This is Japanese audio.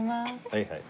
はいはい。